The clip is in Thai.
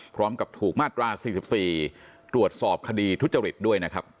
พร้อมกับถูกมาตรา๔๔ตรวจสอบคดีทุจริตด้วยนะครับ